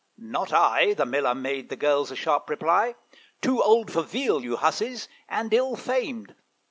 'Not I,' The Miller made the girls a sharp reply: 'Too old for veal, you hussies, and ill famed.'